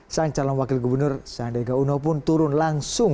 sang calon wakil gubernur sandiaga uno pun turun langsung